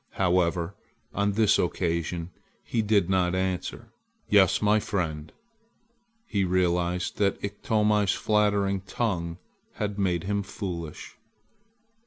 However, on this occasion, he did not answer "Yes, my friend." He realized that Iktomi's flattering tongue had made him foolish.